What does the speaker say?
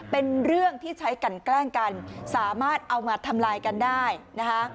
เป็นเรื่องที่ใช้กันแกล้งกันสามารถเอามาทำลายกันได้นะคะ